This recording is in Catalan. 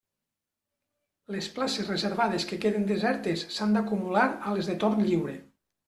Les places reservades que queden desertes s'han d'acumular a les de torn lliure.